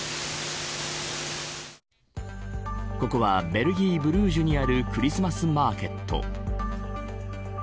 ここはベルギーブルージュにあるクリスマスマーケット。